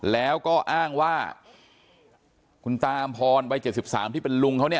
แล้วก็อ้างว่าคุณตามพลไปเจ็ดสิบสามที่เป็นลุงเขานี่